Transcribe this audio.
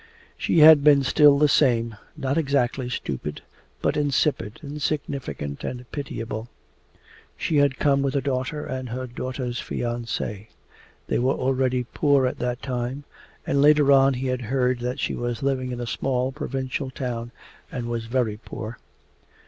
She had been still the same, not exactly stupid, but insipid, insignificant, and pitiable. She had come with her daughter and her daughter's fiance. They were already poor at that time and later on he had heard that she was living in a small provincial town and was very poor.